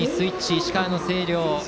石川の星稜。